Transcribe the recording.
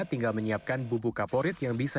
tinggal menyiapkan bubuk kaporit yang bisa